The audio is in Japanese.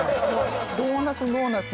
ドーナツドーナツ